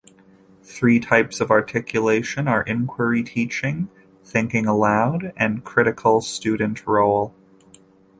Three types of articulation are inquiry teaching, thinking aloud, and critical student role.